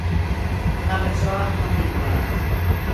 Unha persoa non titulada.